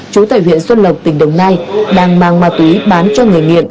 chú tại huyện xuân lộc tỉnh đồng nai đang mang ma túy bán cho người nghiện